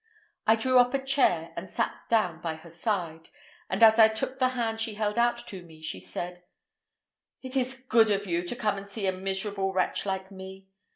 I drew up a chair, and sat down by her side, and as I took the hand she held out to me, she said: "It is good of you to come and see a miserable wretch like me.